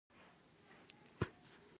د ثابتو شواهدو پر بنا په سخته سزا محکوم یاست.